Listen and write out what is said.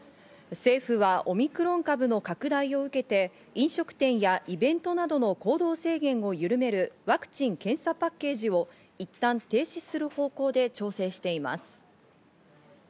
政府はオミクロン株の拡大を受けて、飲食店やイベントなどの行動制限を緩める、ワクチン・検査パッケージを一旦停止する方向で調整しています。